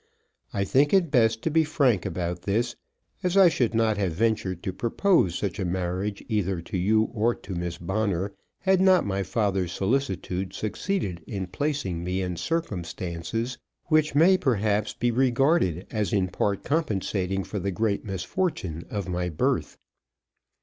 I think it best to be frank about this, as I should not have ventured to propose such a marriage either to you or to Miss Bonner, had not my father's solicitude succeeded in placing me in circumstances which may, perhaps, be regarded as in part compensating the great misfortune of my birth.